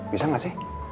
bisa gak sih